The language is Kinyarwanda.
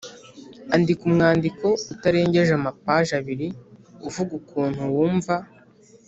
Andika umwandiko utarengeje amapaji abiri uvuga ukuntu wumva